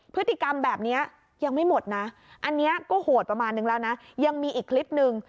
พฤติกรรมแบบนี้ยังไม่หมดนะอันนี้ก็โหดประมาณนึงแล้วนะยังมีอีกคลิปนึง